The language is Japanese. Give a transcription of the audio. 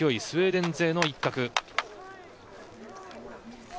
スウェーデン勢の一角。